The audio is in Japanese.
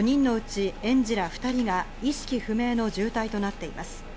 ４人のうち園児ら２人が意識不明の重体となっています。